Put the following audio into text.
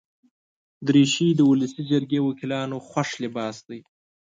دریشي د ولسي جرګې وکیلانو خوښ لباس دی.